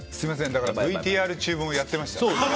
だからＶＴＲ中もやってました。